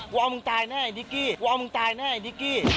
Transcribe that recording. กลัวมึงตายนะไอ้นิกกี้กลัวมึงตายนะไอ้นิกกี้